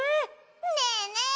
ねえねえ。